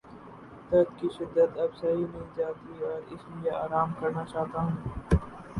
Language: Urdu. درد کی شدت اب سہی نہیں جاتی اس لیے آرام کرنا چاہتا ہوں